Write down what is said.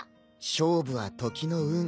勝負は時の運。